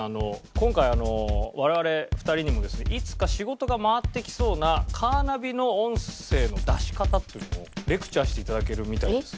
今回我々２人にもですねいつか仕事が回ってきそうなカーナビの音声の出し方っていうのをレクチャーして頂けるみたいです